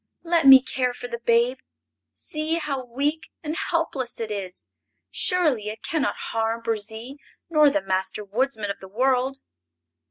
Let me care for the babe! See how weak and helpless it is. Surely it can not harm Burzee nor the Master Woodsman of the World!"